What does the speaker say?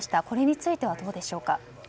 これについてはどうでしょうか。